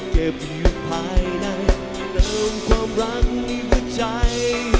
เก็บอยู่ภายในเติมความรักหัวใจ